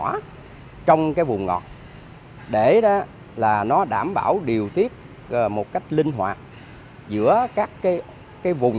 sản xuất trung cây buồng ngọt để là nó đảm bảo điều tiết một cách linh hoạt giữa các cây cái bụng